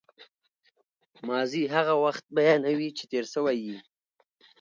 ماضي هغه وخت بیانوي، چي تېر سوی يي.